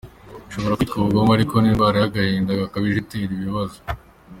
Bishobora kwitwa ubugome ariko ni indwara y’agahinda gakabije itera ibi bibazo.